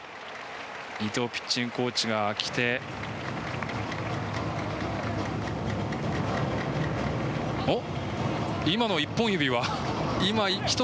伊藤ピッチングコーチが来ておっ？